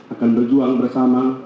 akan berjuang bersama